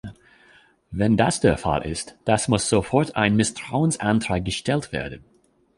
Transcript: Wenn das der Fall ist, dass muss sofort ein Misstrauensantrag gestellt werden.